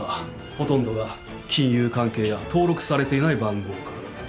ほとんどが金融関係や登録されていない番号からだった。